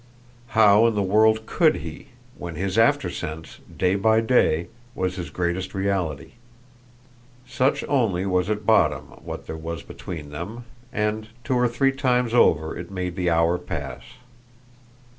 How in the world COULD he, when his aftersense, day by day, was his greatest reality? Such only was at bottom what there was between them, and two or three times over it made the hour pass.